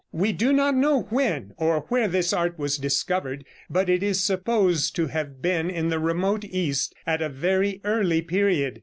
We do not know when or where this art was discovered, but it is supposed to have been in the remote east, at a very early period.